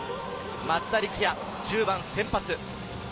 松田力也・１０番先発。